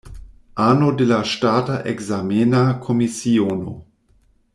Ano de la ŝtata ekzamena komisiono.